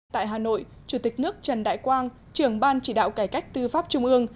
tại hà nội chủ tịch nước trần đại quang trưởng ban chỉ đạo cải cách tư pháp trung ương